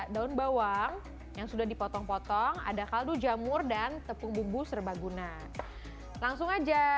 daun bawang yang sudah dipotong potong ada kaldu jamur dan tepung bumbu serbaguna langsung aja